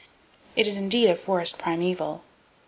It is indeed a forest primeval.